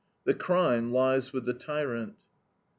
The crime lies with the tyrant."